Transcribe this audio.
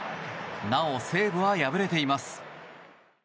なお、西武は敗れています。